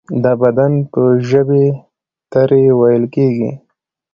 د بدن په ژبې ترې ویل کیږي.